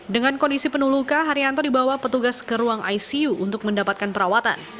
dengan kondisi penuh luka haryanto dibawa petugas ke ruang icu untuk mendapatkan perawatan